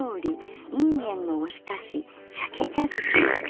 いんげんのおひたし鮭茶づけ。